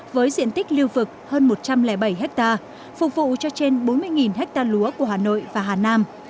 với diện tích lưu vực hơn một trăm linh bảy hectare phục vụ cho trên bốn mươi ha lúa của hà nội và hà nam